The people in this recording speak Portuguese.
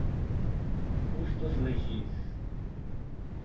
custos legis